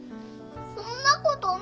そんなことない。